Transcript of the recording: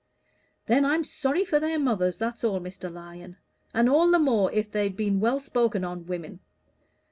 "Then I'm sorry for their mothers, that's all, Mr. Lyon; and all the more if they'd been well spoken on women.